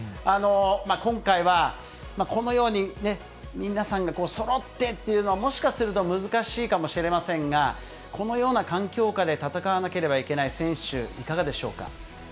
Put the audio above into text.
今回はこのようにね、皆さんがそろってというのは、もしかすると、難しいかもしれませんが、このような環境下で戦わなければいけない選手、いかがでしょうか。